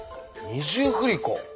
二重振り子。